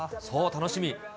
そう、楽しみ。